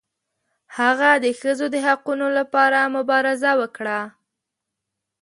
هغه د ښځو د حقونو لپاره مبارزه وکړه.